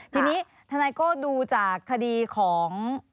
ทีนี้ทนายโก้ดูจากคดีของ